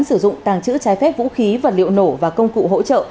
sử dụng tàng chữ trái phép vũ khí và liệu nổ và công cụ hỗ trợ